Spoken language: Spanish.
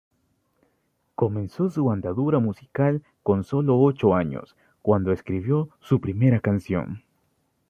Comenzó su andadura musical con sólo ocho años, cuando escribió su primera canción.